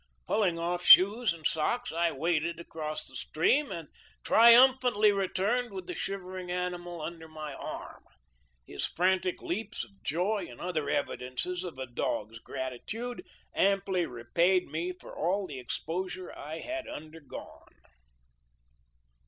"Pull ing off shoes and socks I waded across the stream and triumphantly returned with the shivering animal under my arm. His frantic leaps of joy and other evidences of a. dog's gratitude amply repaid me for all the exposure I had undergone."